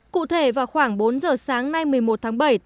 cụ thể vào khoảng bốn giờ sáng nay một mươi một tháng bảy